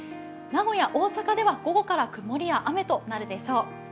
名古屋、大阪では午後から曇りや雨となるでしょう。